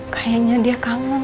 kayaknya dia kangen